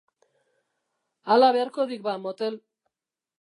Hala beharko dik ba, motel.